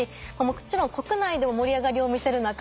もちろん国内でも盛り上がりを見せる中